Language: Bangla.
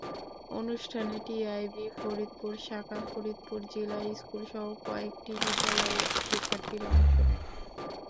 অনুষ্ঠানে টিআইবি ফরিদপুর শাখা, ফরিদপুর জিলা স্কুলসহ কয়েকটি বিদ্যালয়ের শিক্ষার্থীরা অংশ নেয়।